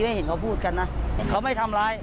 ให้เห็นเขาพูดกันนะเขาไม่ทำร้าย